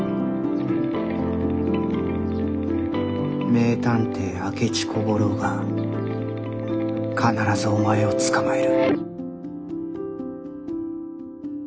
名探偵明智小五郎が必ずお前を捕まえる。